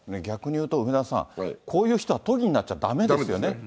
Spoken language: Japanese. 逆にいうと、梅沢さん、こういう人は都議になっちゃだめですよね。